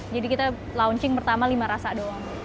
jadi kita launching pertama lima rasa doang